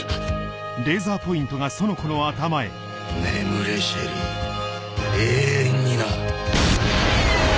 眠れシェリー永遠にな。